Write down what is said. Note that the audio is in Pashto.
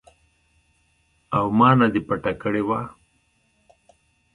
او ما نه دې پټه کړې وه.